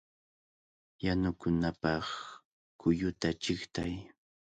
¡Yanukunapaq kulluta chiqtay!